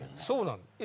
そうなの。